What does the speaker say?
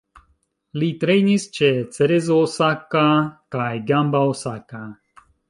Li trejnis ĉe Cerezo Osaka kaj Gamba Osaka.